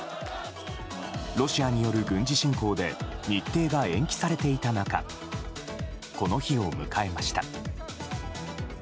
ロシアによる軍事侵攻で日程が延期されていた中この日を迎えました。